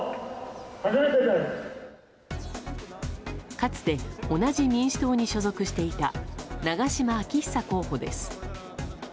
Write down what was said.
かつて同じ民主党に所属していた長島昭久候補です。